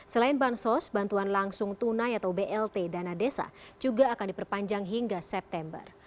selain bansos bantuan langsung tunai atau blt dana desa juga akan diperpanjang hingga september